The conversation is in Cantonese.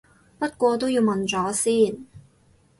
不過都要問咗先